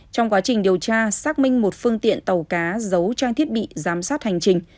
trong quá trình điều tra xác minh một phương tiện tàu cá giấu trang thiết bị giám sát hành trình